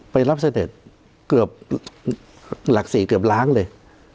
รับเสด็จเกือบหลักสี่เกือบล้านเลย